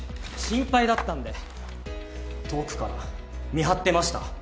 心配だったんで遠くから見張ってました。